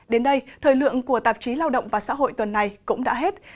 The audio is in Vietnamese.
đến đây thời lượng của tạp chí lao động và xã hội tuần này cũng đã hết